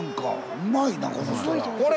うまいなこの人ら！